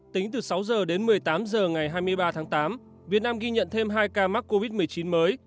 tính từ sáu h đến một mươi tám h ngày hai mươi ba tháng tám việt nam ghi nhận thêm hai ca mắc covid một mươi chín mới